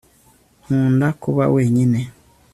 Nkunda kuba wenyine